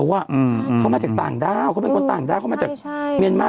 เขามาจากต่างด้าวเขาเป็นคนต่างด้าวเขามาจากเมียนมา